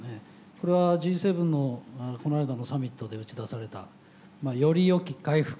これはＧ７のこの間のサミットで打ち出されたより良き回復